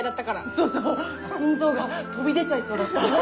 そうそう心臓が飛び出ちゃいそうだった。